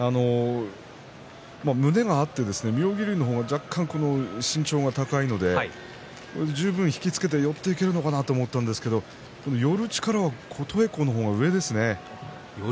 胸が合って妙義龍の方が若干身長が高いので十分引き付けて寄っていけるのかなと思ったんですけど寄る力は琴恵光の方が上ですね。